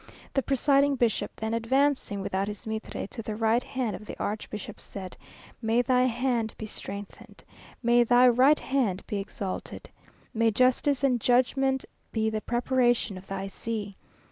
The presiding bishop then advancing, without his mitre, to the right hand of the archbishop, said, "May thy hand be strengthened! May thy right hand be exalted! May justice and judgment be the preparation of thy see!"